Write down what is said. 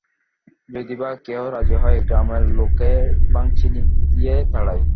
যদি বা কেহ রাজি হয়, গ্রামের লোকে ভাংচি দিয়া তাড়ায়।